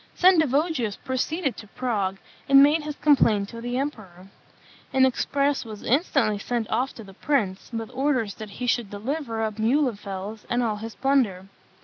Sendivogius proceeded to Prague, and made his complaint to the emperor. An express was instantly sent off to the prince, with orders that he should deliver up Muhlenfels and all his plunder.